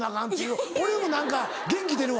俺も何か元気出るわ。